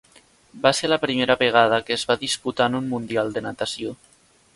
Va ser la primera vegada que es va disputar en un mundial de natació.